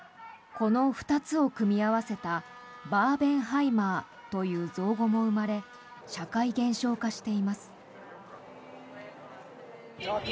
この２つを組み合わせた「バーベンハイマー」という造語も生まれ社会現象化しています。